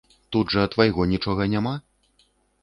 Тут жа твайго нічога няма?